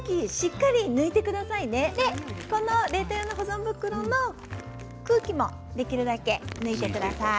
でこの冷凍用の保存袋の空気もできるだけ抜いてください。